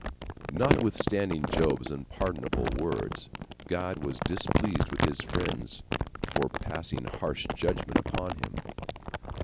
Notwithstanding Job's unpardonable words, God was displeased with his friends for passing harsh judgment upon him.